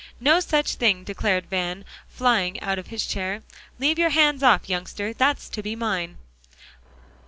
"No such thing," declared Van, flying out of his chair. "Leave your hands off, youngster! that's to be mine."